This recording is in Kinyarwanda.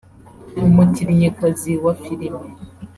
umukinnyikazi wa filime